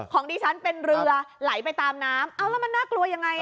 ของดิฉันเป็นเรือไหลไปตามน้ำเอาแล้วมันน่ากลัวยังไง